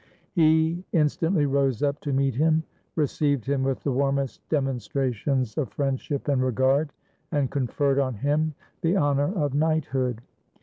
He instantly rose up to meet him, received him with the warmest demonstrations of friendship and regard, and conferred on him the honor of knighthood.